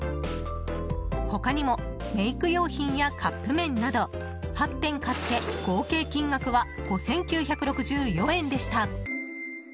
他にも、メイク用品やカップ麺など８点買って合計金額は５９６４円でした。